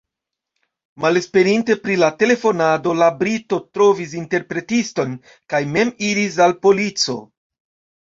Malesperinte pri la telefonado, la brito trovis interpretiston kaj mem iris al polico.